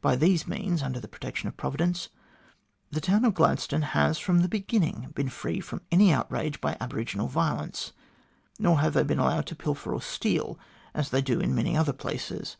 By these means, under the protection of Providence, the town of Gladstone has from the beginning been free from any outrage by aboriginal violence, nor have they been allowed to pilfer or steal as they do in many other places.